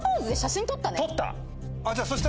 撮った！